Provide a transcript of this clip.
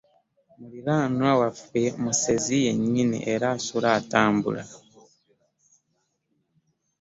Mulirwana waffe musezi yennyini era assula atambula.